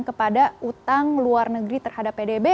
kepada utang luar negeri terhadap pdb